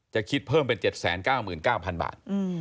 จะคิดเพิ่มเป็น๗๙๙๐๐บาท